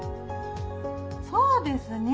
そうですね。